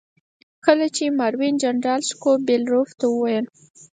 کله چې ماروین جنرال سکوبیلروف ته وویل.